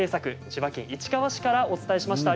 千葉県市川市からお伝えしました。